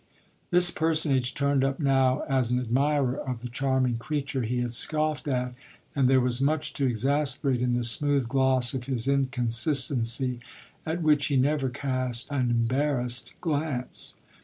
This personage turned up now as an admirer of the charming creature he had scoffed at, and there was much to exasperate in the smooth gloss of his inconsistency, at which he never cast an embarrassed glance.